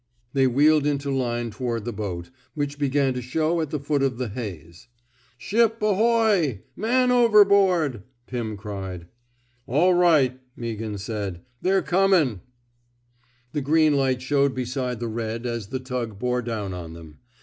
They wheeled into line toward the boat, which began to show at the foot of the haze. Ship ahoy I Man overboard! *' Pirn cried. All right/' Meaghan said. They're comin'.'' The green light showed beside the red as the tug bore down on them.